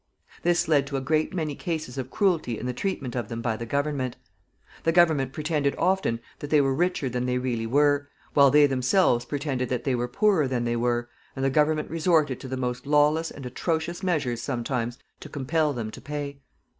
This led to a great many cases of cruelty in the treatment of them by the government. The government pretended often that they were richer than they really were, while they themselves pretended that they were poorer than they were, and the government resorted to the most lawless and atrocious measures sometimes to compel them to pay.